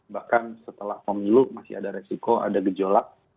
bahkan setelah pemilu masih ada resiko ada gejolak